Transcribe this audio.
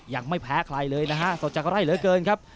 ยังไม่แพ้ใครเลยนะฮะสดจากไร่เหลือเกินครับ